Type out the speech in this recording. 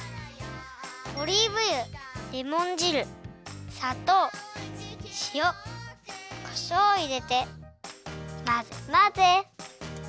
オリーブ油レモン汁さとうしおこしょうをいれてまぜまぜ！